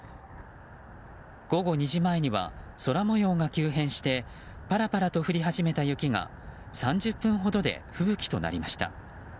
午後２時前には空模様が急変してパラパラと降り始めた雪が３０分ほどで吹雪となりました。